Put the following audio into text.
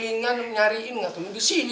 kalingan mencari ini gak temen di sini